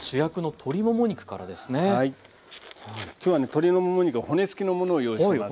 鶏のもも肉の骨付きのものを用意しています。